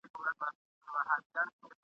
دا هغه بېړۍ ډوبیږي چي مي نکل وو لیکلی ..